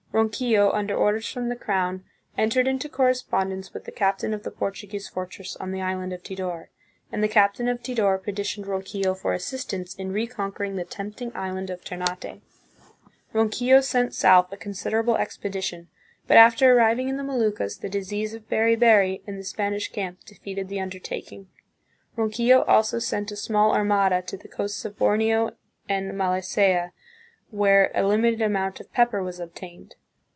Ronquillo, under orders from the crown, entered into correspondence with the captain of the Portuguese fortress on the island of Tidor, and the captain of Tidor petitioned Ronquillo for assist ance in reconquering the tempting island of Ternate. Ronquillo sent south a considerable expedition, but after arriving in the Moluccas the disease of beri beri in the Spanish camp defeated the undertaking. Ronquillo also sent a small armada to the coasts of Borneo and Malacca, where a limited amount of pepper was obtained.